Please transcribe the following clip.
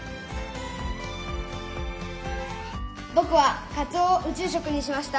僕はカツオを宇宙食にしました。